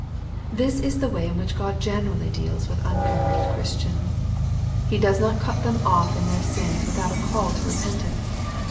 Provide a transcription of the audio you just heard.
/^ This is the way in which God generally deals with ( unconverted Christians. He does not cut them off in their sins without a call to repentance.